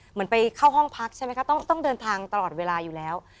เหมือนไปเข้าห้องพักใช่ไหมคะต้องเดินทางตลอดเวลาอยู่แล้ว